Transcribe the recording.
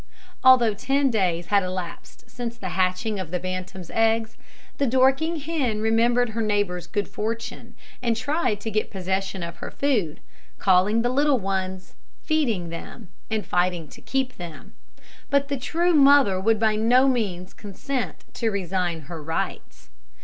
Although ten days had elapsed since the hatching of the bantam's eggs, the Dorking hen remembered her neighbour's good fortune, and tried to get possession of her brood calling the little ones, feeding them, and fighting to keep them; but the true mother would by no means consent to resign her rights.